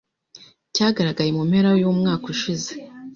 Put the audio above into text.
cyagaragaye mu mpera y'umwaka ushize